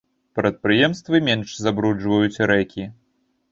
Прадпрыемствы менш забруджваюць рэкі.